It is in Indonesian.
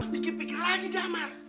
bikin pikir lagi damar